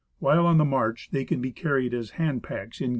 While on the march they can he carried as hand packs in 10 lbs.